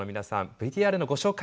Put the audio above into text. ＶＴＲのご紹介